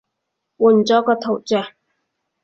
換咗個頭像